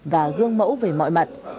và gương mẫu về mọi mặt